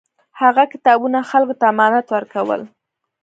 هغه کتابونه خلکو ته امانت ورکول.